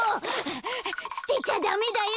すてちゃダメだよ！